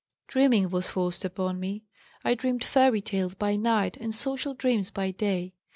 "Dreaming was forced upon me. I dreamed fairy tales by night and social dreams by day.